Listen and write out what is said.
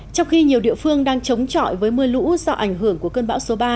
trong khi nhiều địa phương đang chống chọi với mưa lũ do ảnh hưởng của cơn bão số ba